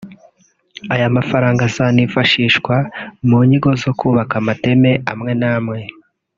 Aya mafaranga azanifashishwa mu nyigo zo kubaka amateme amwe n’amwe